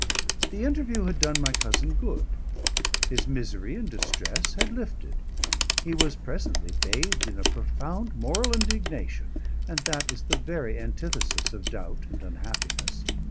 The interview had done my cousin good. His misery and distress had lifted. He was presently bathed in a profound moral indignation, and that is the very antithesis of doubt and unhappiness.